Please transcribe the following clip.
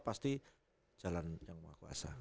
pasti jalan yang maha kuasa